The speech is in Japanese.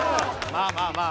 まあまあまあ。